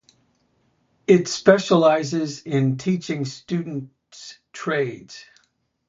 It specializes in teaching students trades.